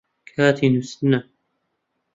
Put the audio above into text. کاتی نووستنە